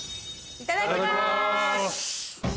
いただきます！